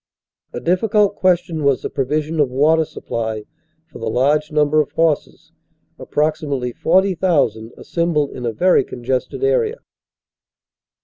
A difficult question was the provi sion of water supply for the large number of horses, approxi mately 40,000, assembled in a very congested area.